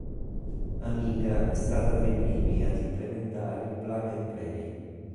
Amiga è stata tra i primi ad implementare il plug and play.